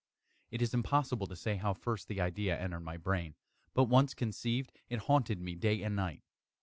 It is impossible to say how first the idea entered my brain; but once conceived, it haunted me day and night.